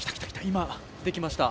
今、出てきました。